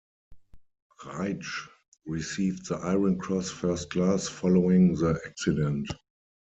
Reitsch received the Iron Cross First Class following the accident.